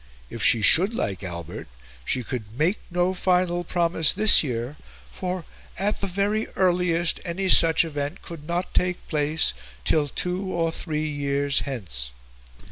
If she should like Albert, she could "make no final promise this year, for, at the very earliest, any such event could not take place till two or three years hence."